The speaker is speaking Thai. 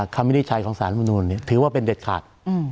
วินิจฉัยของสารมนุนถือว่าเป็นเด็ดขาด